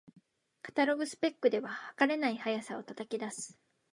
カタログスペックでは、はかれない速さを叩き出す